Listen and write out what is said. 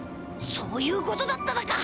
そういうことだっただか！